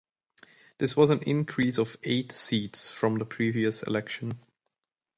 This was an increase of eight seats from the previous election.